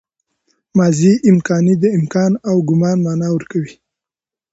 ماضي امکاني د امکان او ګومان مانا ورکوي.